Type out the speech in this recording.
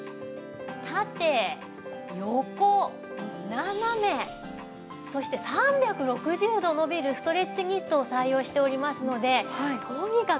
縦横斜めそして３６０度伸びるストレッチニットを採用しておりますのでとにかく